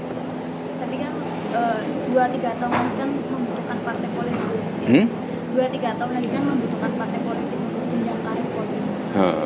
tapi kan dua tiga tahun kan membutuhkan partai politik untuk menjaga kondisi